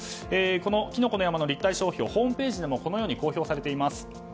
このきのこの山の立体商標ホームページでもこのように公表されています。